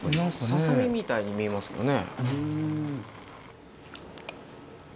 ささ身みたいに見えますけどね。